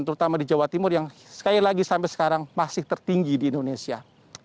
terutama di jawa timur yang sekali lagi sampai sekarang masih tertinggi di indonesia